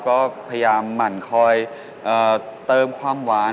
ก็พยายามหมั่นคอยเติมความหวาน